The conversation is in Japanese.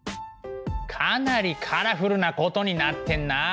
かなりカラフルなことになってんなあ。